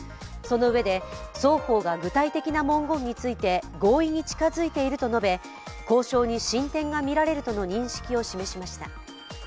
そのうえで、双方が具体的な文言にいて合意に近づいていると述べ、交渉に進展が見られるとの認識を示しました。